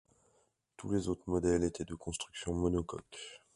Tous les autres modèles étaient de construction monocoque.